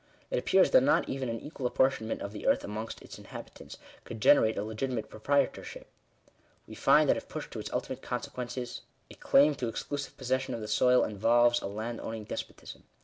It appears that not even an equal ap portionment of the earth amongst its inhabitants could generate a legitimate proprietorship. We find that if pushed to its ulti mate consequences, a claim to exclusive possession of the soil involves a landowning despotism.